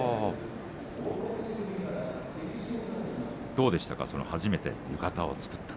どうでしたか